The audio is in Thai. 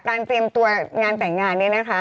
เตรียมตัวงานแต่งงานเนี่ยนะคะ